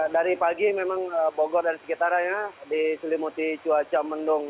dari pagi memang bogor dari sekitaranya diselimuti cuaca mendung